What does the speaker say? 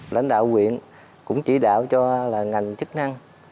lãnh đạo quyện cũng chỉ đạo cho là ngành chức năng